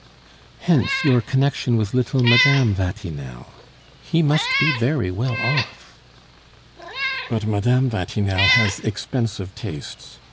"Hence your connection with little Madame Vatinelle. He must be very well off " "But Mme. Vatinelle has expensive tastes....